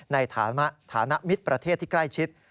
ในฐานะมิตรประเทศที่ใกล้ชิด